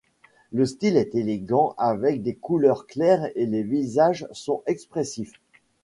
Le style est élégant avec des couleurs claires et les visages sont expressifs.